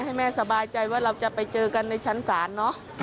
ให้แม่สบายใจว่าเราจะไปเจอกันในชั้นศาลเนอะ